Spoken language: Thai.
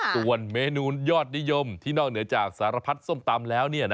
ส่วนเมนูยอดนิยมที่นอกเหนือจากสารพัดส้มตำแล้ว